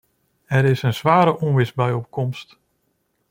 Er is een zware onweersbui op komst.